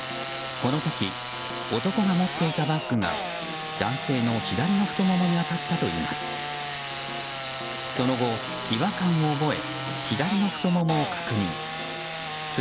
この時、男が持っていたバッグが男性の左の太ももに当たったといいます。